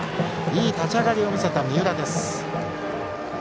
いい立ち上がりを見せた三浦です。